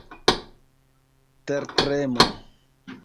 tertremo